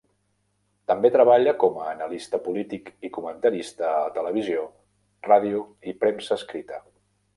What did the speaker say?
També treballa com a analista polític i comentarista a televisió, ràdio i premsa escrita.